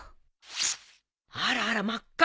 あらあら真っ赤！